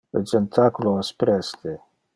Le jentaculo es preste.